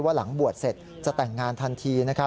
หลังบวชเสร็จจะแต่งงานทันที